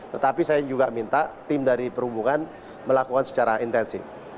tetapi saya juga minta tim dari perhubungan melakukan secara intensif